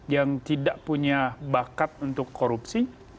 yang tidak punya bakat untuk korupsi